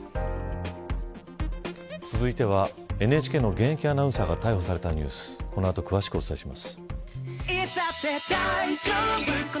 続いては、ＮＨＫの現役アナウンサーが逮捕されたニュースこの後、詳しくお伝えします。